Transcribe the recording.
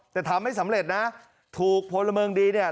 แต่ทำไม่สำเร็จนะถูกพลเมิงดีเนี่ย